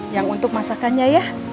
yang untuk masakannya ya